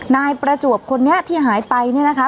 นายประจวบคนนี้ที่หายไปเนี่ยนะคะ